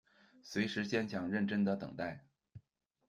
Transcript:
随时坚强认真的等待